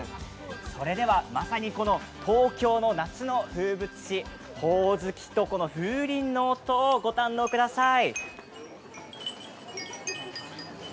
それでは、まさに、この東京の夏の風物詩、ほおずきとこの風鈴の音をご堪能ください。